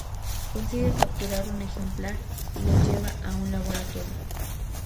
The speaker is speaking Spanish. Consigue capturar un ejemplar y lo lleva a un laboratorio.